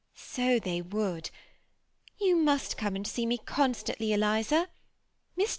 ^ So they would* Tou must opme and see me con stantly, Eliza. Mr.